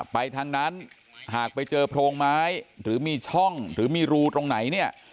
ไปทางนั้นหากไปเจอโพรงไม้หรือมีช่องหรือมีรูตรงไหนเนี่ย